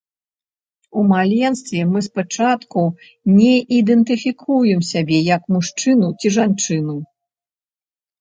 У маленстве мы спачатку не ідэнтыфікуем сябе як мужчыну ці жанчыну.